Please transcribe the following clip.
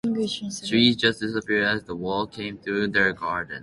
Trees just disappeared as the wall came through their garden.